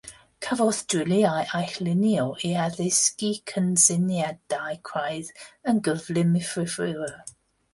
Cafodd driliau eu llunio i addysgu cysyniadau craidd yn gyflym i fyfyrwyr.